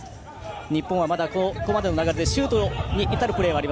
日本はまだここまでの流れでシュートに至るプレーはない。